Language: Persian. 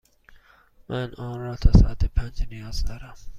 من آن را تا ساعت پنج نیاز دارم.